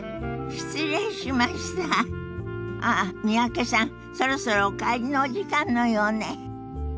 三宅さんそろそろお帰りのお時間のようね。